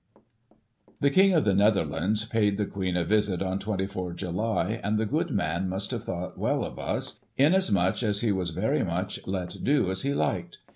The King of the Netherlands paid the Queen a visit on 24 July, and the good man must have thought well of us, in asmuch as he was very much let do as he liked.